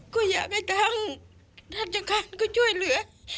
ก็อยากให้ทั้งราชการก็ช่วยเหลือ